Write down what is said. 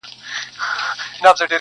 په امان له هر مرضه په تن جوړ ؤ.